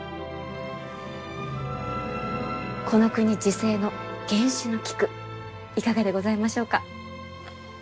この国自生の原種の菊いかがでございましょうか？